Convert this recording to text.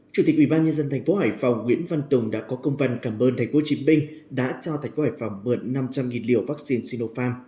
chủ tịch ubnd tp hải phòng nguyễn văn tùng đã có công văn cảm ơn tp hcm đã cho tp hcm mượn năm trăm linh liều vaccine sinopharm